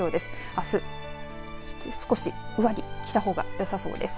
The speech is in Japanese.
あす、少し上着着たほうがよさそうです。